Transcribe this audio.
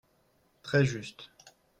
Très juste